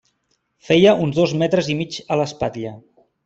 Feia uns dos metres i mig a l'espatlla.